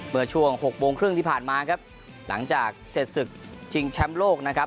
เมื่อช่วงหกโมงครึ่งที่ผ่านมาครับหลังจากเสร็จศึกชิงแชมป์โลกนะครับ